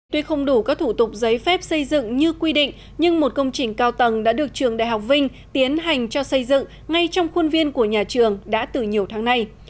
tuy không đủ các thủ tục giấy phép xây dựng như quy định nhưng một công trình cao tầng đã được trường đại học vinh tiến hành cho xây dựng ngay trong khuôn viên của nhà trường đã từ nhiều tháng nay